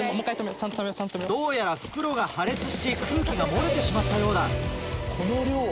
どうやら袋が破裂し空気が漏れてしまったようだ。